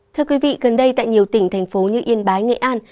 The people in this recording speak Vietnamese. thưa quý vị gần đây tại nhiều tỉnh thành phố như yên bái nghệ an